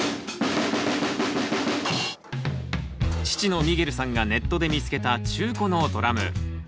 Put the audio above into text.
父のミゲルさんがネットで見つけた中古のドラム。